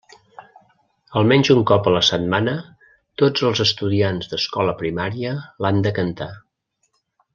Almenys un cop a la setmana, tots els estudiants d'escola primària l'han de cantar.